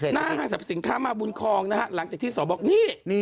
ห้างสรรพสินค้ามาบุญคองนะฮะหลังจากที่สอบบอกนี่